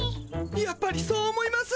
やっぱりそう思います？